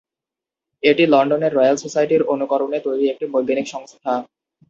এটি লন্ডনের রয়্যাল সোসাইটির অনুকরণে তৈরি একটি বৈজ্ঞানিক সংস্থা।